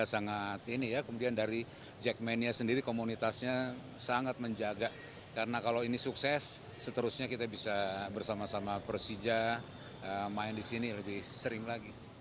saat ini kita telah terhubung dengan produser lapangan siena di indonesia